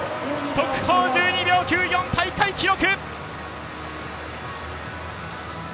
速報１２秒９４は大会記録！